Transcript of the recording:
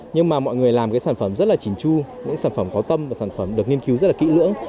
nhưng mà mọi người làm cái sản phẩm rất là chỉn chu những sản phẩm có tâm và sản phẩm được nghiên cứu rất là kỹ lưỡng